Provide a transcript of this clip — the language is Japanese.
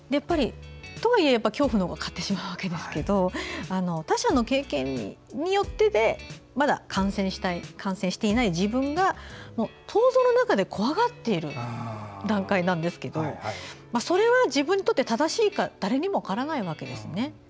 とはいえ、やっぱり恐怖のほうが勝ってしまうわけですけど他者の経験によってでまだ感染していない自分が想像の中で怖がっている段階なんですけどそれが自分にとって正しいか誰にも分からないわけですね。